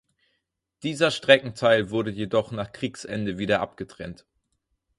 Dieser Streckenteil wurde jedoch nach Kriegsende wieder abgetrennt.